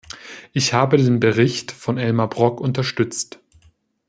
Ich habe den Bericht von Elmar Brok unterstützt.